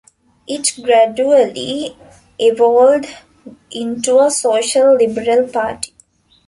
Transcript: It gradually evolved into a social liberal party.